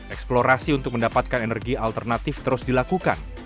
eksplorasi untuk mendapatkan energi alternatif terus dilakukan